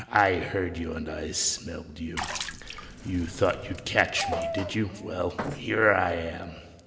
I heard you and I smelled you. You thought you'd catch me, did you? Well, here I am!